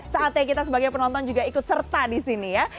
saatnya kita sebagai penonton juga ikut serta di sini ya